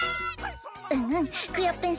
うんうんクヨッペン